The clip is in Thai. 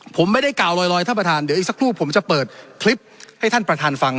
ผมไม่ได้กล่าวลอยท่านประธานเดี๋ยวอีกสักครู่ผมจะเปิดคลิปให้ท่านประธานฟัง